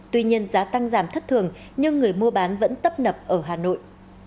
tuy nhiên giá tăng giảm thất thường nhưng người mua bán vẫn tấp nập ở hà nội